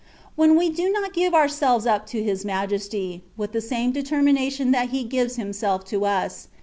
When we do not give ourselves up to His majesty, with the same determination that He gives Him self to us.